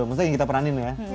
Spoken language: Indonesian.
maksudnya yang kita peranin ya